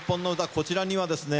こちらにはですね